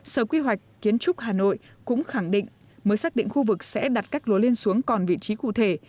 sở quy hoạch kiến trúc hà nội cũng khẳng định mới xác định khu vực sẽ đặt cách lúa lên xuống còn vị trí cụ thể